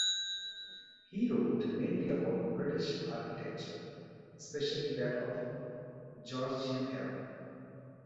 He wrote mainly about British architecture, especially that of the Georgian era.